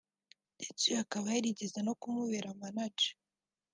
ndetse uyu akaba yarigeze no kumubera Manager